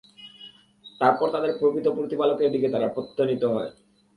তারপর তাদের প্রকৃত প্রতিপালকের দিকে তারা প্রত্যানীত হয়।